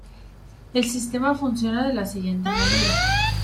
El sistema funciona de la siguiente manera.